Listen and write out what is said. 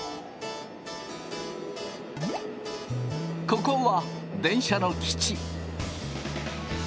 ここは電車の基地。